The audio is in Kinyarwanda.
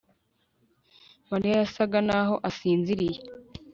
Mariya yasaga naho asinziriye